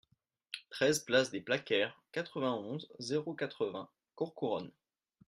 treize place des Plaquères, quatre-vingt-onze, zéro quatre-vingts, Courcouronnes